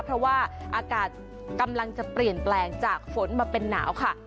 เพราะว่าอากาศกำลังจะเปลี่ยนแปลงจากฝนมาเป็นหนาวค่ะ